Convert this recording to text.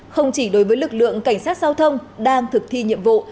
không chỉ đối với lực lượng cảnh sát giao thông đang thực thi nhiệm vụ